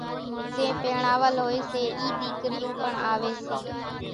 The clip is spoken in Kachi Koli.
زين پيڻاول ھوئي سي اِي ۮيڪريون پڻ آوي سي